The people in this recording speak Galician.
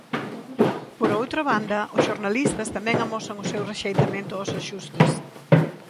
Por outra banda, os xornalistas tamén amosan o seu rexeitamento aos axustes.